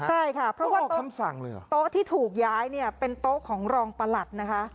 ใช่ค่ะเพราะว่าโต๊ะที่ถูกย้ายเนี่ยเป็นโต๊ะของรองประหลัดนะคะ